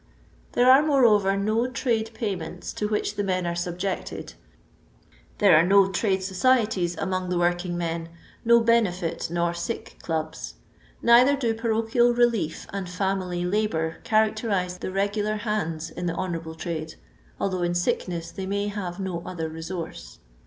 There are, moreover, no trade payments to which the men are subjected ; there are no trade societies among the working men, no benefit nor sick clubs ; neither do parochial relief and family labour characterize the regular hands in the honourable trade, although iu sickness they may have no other resource.